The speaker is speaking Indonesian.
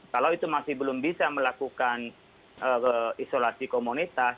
kalau itu masih belum bisa melakukan isolasi komunitas